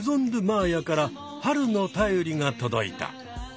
まーやから春の便りが届いた。